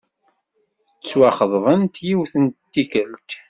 Ttwaxeḍbent yiwet n tikkelt.